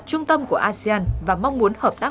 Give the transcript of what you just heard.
trung tâm của asean và mong muốn hợp tác